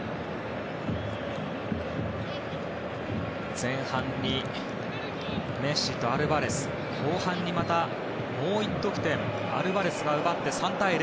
前半にメッシとアルバレス後半にまたもう１得点アルバレスが奪って３対０。